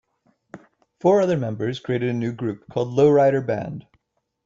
Four other members created a new group called Lowrider Band.